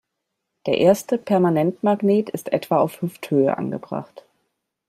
Der erste Permanentmagnet ist etwa auf Hüfthöhe angebracht.